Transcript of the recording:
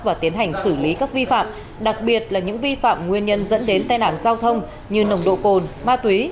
và tiến hành xử lý các vi phạm đặc biệt là những vi phạm nguyên nhân dẫn đến tai nạn giao thông như nồng độ cồn ma túy